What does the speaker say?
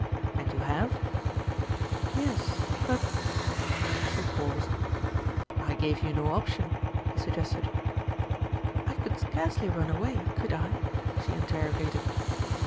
"And you have?" "Yes; but" She paused. "I gave you no option," he suggested. "I could scarcely run away, could I?" she inter rogated.